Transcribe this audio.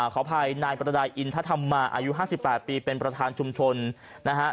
ขออภัยนายประดายอินทธรรมาอายุ๕๘ปีเป็นประธานชุมชนนะฮะ